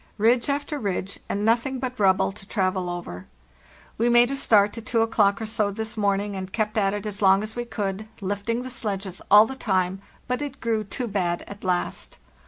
Ridge after ridge, and nothing but rubble to travel over. We made a start at 2 o'clock or so this morning, and kept at it as long as we could, lifting the sledges all the time; but it grew too bad at last.